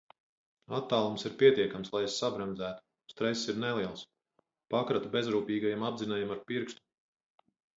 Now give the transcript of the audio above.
Attālums ir pietiekams, lai es sabremzētu, stress ir neliels, pakratu bezrūpīgajam apdzinējam ar pirkstu...